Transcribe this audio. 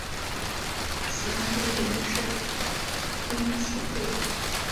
喜欢的艺人是滨崎步。